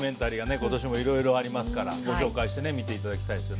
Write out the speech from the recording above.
今年もいろいろありますからご紹介してね見ていただきたいですよね。